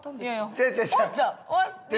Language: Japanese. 違う違う。